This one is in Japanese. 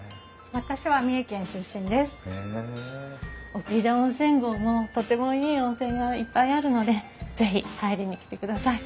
奥飛騨温泉郷もとてもいい温泉がいっぱいあるので是非入りに来てください。